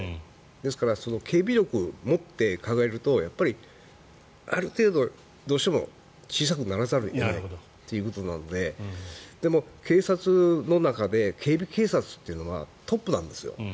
ですから警備力を持って考えるとある程度、どうしても小さくならざるを得ないということなのででも警察の中で警備警察というのはトップなんですよ。